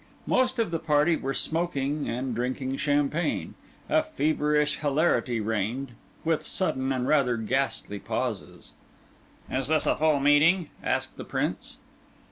Most of the party were smoking, and drinking champagne; a feverish hilarity reigned, with sudden and rather ghastly pauses. "Is this a full meeting?" asked the Prince.